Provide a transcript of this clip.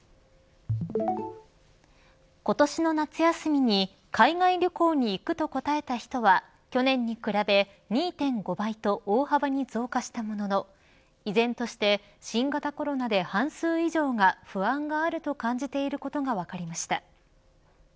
今年の夏休みに海外旅行に行くと答えた人は去年に比べ、２．５倍と大幅に増加したものの依然として新型コロナで半数以上が不安があると感じていることが分かりました。